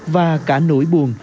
và cả nỗi buồn